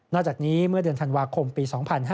จากนี้เมื่อเดือนธันวาคมปี๒๕๕๙